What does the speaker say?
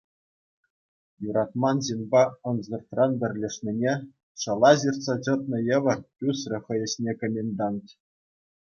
Юратман ҫынпа ӑнсӑртран пӗрлешнине шӑла ҫыртса чӑтнӑ евӗр тӳсрӗ хӑй ӗҫне комендант.